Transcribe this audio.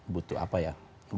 butuh apa ya